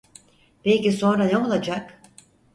Peki sonra ne olacak?